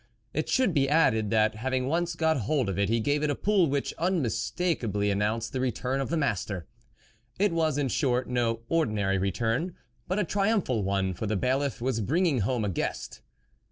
It should be added, hat having once got hold of it, he gave it i pull which unmistakeably announced he return of the master. It was, in short, no ordinary return, but a triumphal one, for the Bailiff was bringing home a guest.